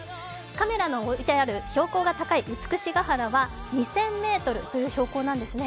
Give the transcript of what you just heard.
カメラの置いてある標高の高い美ヶ原は２０００ｍという標高なんですね。